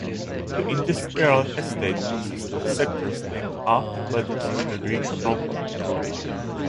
The industrial estate consists of sectors named after letters of the Greek alphabet.